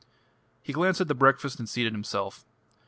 He glanced at the breakfast and seated himself.